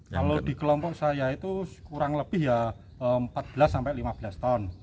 kalau di kelompok saya itu kurang lebih ya empat belas sampai lima belas ton